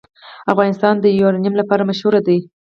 افغانستان د یورانیم لپاره مشهور دی.